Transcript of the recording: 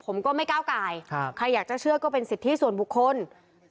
ผมก็ไม่ก้าวไก่ใครอยากจะเชื่อก็เป็นสิทธิส่วนบุคคล